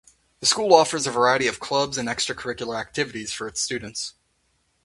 The school offers a variety of clubs and extra curricular activities for its students.